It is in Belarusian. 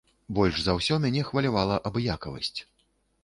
Больш за ўсё мяне хвалявала абыякавасць.